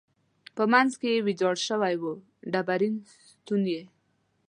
په منځ کې ویجاړ شوی و، ډبرین ستون یې.